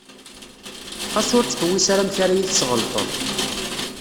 Xas ur ttḥewwis ara amek ara yi-tesɣelṭeḍ.